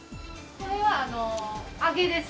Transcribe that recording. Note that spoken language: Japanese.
これはあの揚げです。